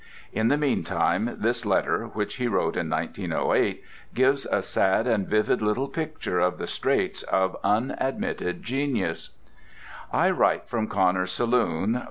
In the meantime, this letter, which he wrote in 1908, gives a sad and vivid little picture of the straits of unadmitted genius: "I write from Connor's saloon.